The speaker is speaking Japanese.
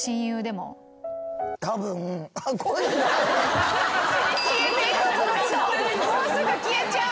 もうすぐ消えちゃう。